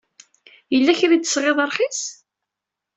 Yella kra ay d-tesɣiḍ rxis?